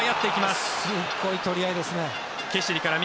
すごい取り合いですね。